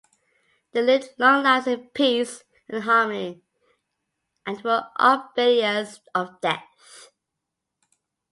They lived long lives in peace and harmony, and were oblivious of death.